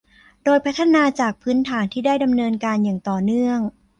โดยพัฒนาจากพื้นฐานที่ได้ดำเนินการอย่างต่อเนื่อง